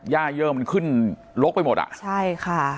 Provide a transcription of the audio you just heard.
ย่ายเยอะมันขึ้นลกไปหมดอะ